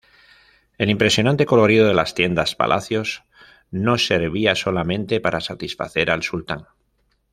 El impresionante colorido de las tiendas-palacios no servía solamente para satisfacer al sultán.